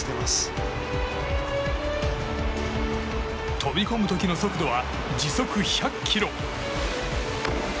飛び込む時の速度は時速１００キロ。